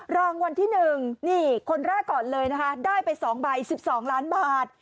รางวัลที่๑นี่คนแรกก่อนเลยนะคะได้ไป๒ใบ๑๒ล้านบาท